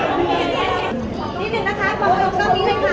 ขอบคุณหนึ่งนะคะขอบคุณหนึ่งนะคะ